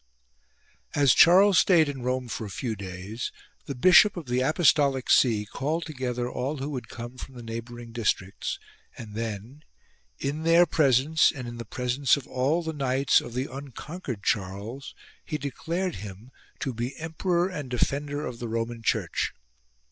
As Charles stayed in Rome for a few days, the bishop of the apostolic see called together all who 90 CHARLES DECLARED EMPEROR would come from the neighbouring districts and then, in their presence and in the presence of all the knights of the unconquered Charles, he declared him to be Emperor and Defender of the Roman Church.